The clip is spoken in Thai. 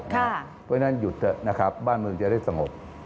เพราะฉะนั้นหยุดเถอะนะครับบ้านเมืองจะได้สงบ